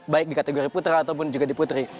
baik di kategori putra ataupun juga di putri